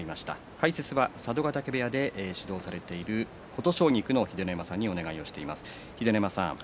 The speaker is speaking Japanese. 解説は佐渡ヶ嶽部屋で指導されている、琴奨菊の秀ノ山さんにお願いしています。